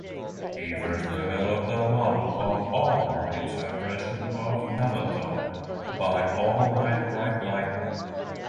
He first developed a model of all-night suppression of melatonin by all-night bright light.